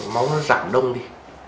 máu nó giảm đông đi